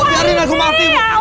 biarin aku mati bu